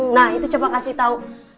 nah itu coba kasih tau